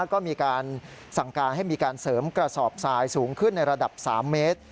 ก็มีการสั่งการให้มีการเสริมกระสอบทรายสูงขึ้นในระดับ๓เมตร